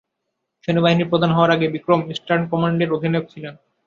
সেনাবাহিনী প্রধান হওয়ার আগে বিক্রম ইস্টার্ন কমান্ডের অধিনায়ক ছিলেন।